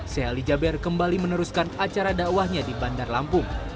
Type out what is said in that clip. sheikh ali jaber kembali meneruskan acara dakwahnya di bandar lampung